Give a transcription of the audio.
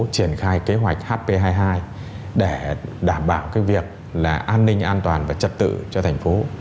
triển khai kế hoạch hp hai mươi hai để đảm bảo cái việc là an ninh an toàn và trật tự cho thành phố